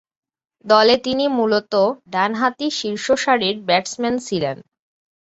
দলে তিনি মূলতঃ ডানহাতি শীর্ষসারির ব্যাটসম্যান ছিলেন।